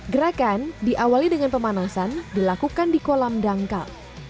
gerakan diawali dengan pemanasan dilakukan di kolam dangkal